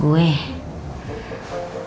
kakaknya udah kebun